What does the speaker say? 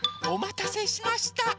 おまたせしました！